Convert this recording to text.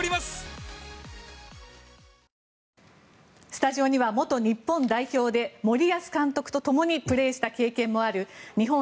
スタジオには元日本代表で森保監督と共にプレーした経験もある日本